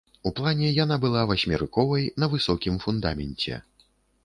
У плане яна была васьмерыковай на высокім фундаменце.